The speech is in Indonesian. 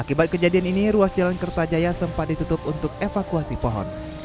akibat kejadian ini ruas jalan kertajaya sempat ditutup untuk evakuasi pohon